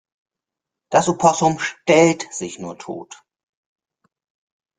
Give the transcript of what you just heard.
Das Opossum stellt sich nur tot.